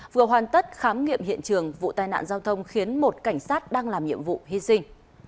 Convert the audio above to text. vừa hoàn tất khám nghiệm hiện trường vụ tai nạn giao thông khiến một cảnh sát đang làm nhiệm vụ hy sinh